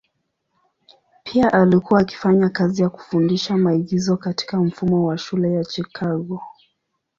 Pia alikuwa akifanya kazi ya kufundisha maigizo katika mfumo wa shule ya Chicago.